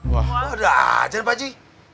wah ada ajan pak ji